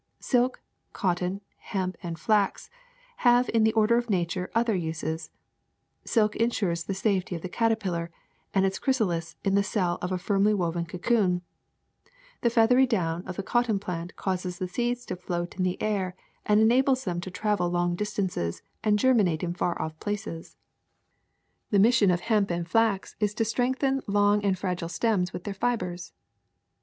Silk, cotton, hemp, and flax have in the order of nature other uses: silk insures the safety of the caterpillar and its chrysalis in the cell of a firmly woven cocoon ; the feathery down of the cotton plant causes the seeds to float in the air and enables them to travel long distances and germinate in far off places; the mis CLOTHING 89 sion of hemp and flax is to strengthen long and fragile stems with their fibers.